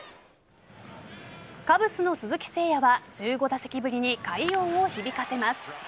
カブスの鈴木誠也は１５打席ぶりに快音を響かせます。